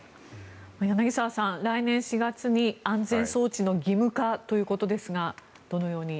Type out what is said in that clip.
柳澤さん、来年４月に安全装置の義務化ということですがどのように。